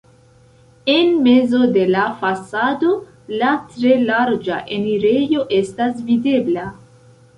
En mezo de la fasado la tre larĝa enirejo estas videbla.